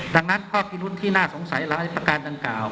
ดังนั้นข้อพิรุ้นที่น่าสงสัยหลายประการดังกล่าว